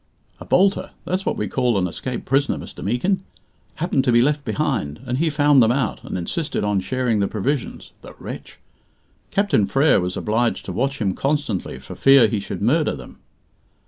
"A 'bolter' that's what we call an escaped prisoner, Mr. Meekin happened to be left behind, and he found them out, and insisted on sharing the provisions the wretch! Captain Frere was obliged to watch him constantly for fear he should murder them.